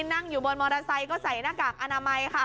นั่งอยู่บนมอเตอร์ไซค์ก็ใส่หน้ากากอนามัยค่ะ